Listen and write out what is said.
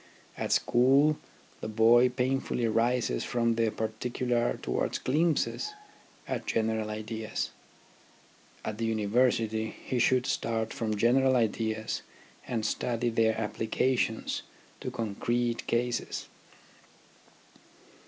At school the boy painfully rises from the particu lar towards glimpses at general ideas ; at the University he should start from general ideas and study their applications to concrete cases.